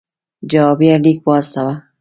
جوابیه لیک واستاوه.